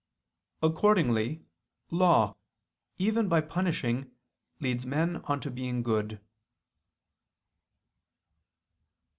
Accordingly, law, even by punishing, leads men on to being good.